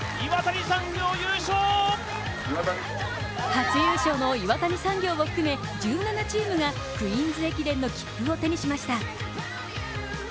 初優勝の岩谷産業を含め１７チームがクイーンズ駅伝の切符を手にしました。